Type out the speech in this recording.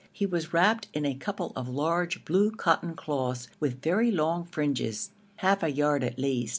He was wrapped in a couple of large blue cotton cloths with very long fringes, half a yard at least.